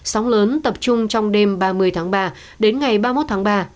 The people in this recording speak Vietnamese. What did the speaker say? sóng lớn tập trung trong đêm ba mươi tháng ba đến ngày ba mươi một tháng ba